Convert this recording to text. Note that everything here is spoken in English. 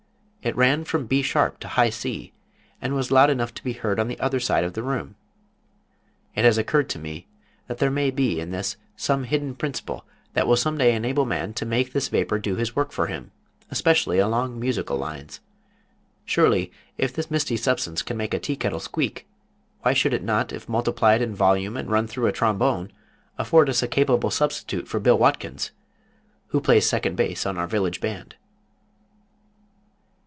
It ran from B sharp to high C, and was loud enough to be heard on the other side of the room. It has occurred to me that there may be in this some hidden principle that will some day enable man to make this vapor do his work for him, especially along musical lines. Surely if this misty substance can make a tea kettle squeak, why should it not, if multiplied in volume and run through a trombone, afford us a capable substitute for Bill Watkins, who plays second base on our Village Band?